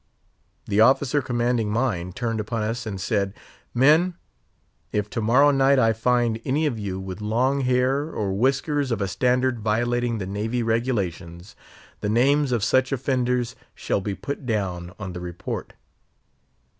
The officer commanding mine turned upon us, and said, "Men, if tomorrow night I find any of you with long hair, or whiskers of a standard violating the Navy regulations, the names of such offenders shall be put down on the report."